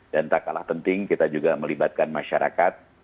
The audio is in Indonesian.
dan tak kalah penting kita juga melibatkan masyarakat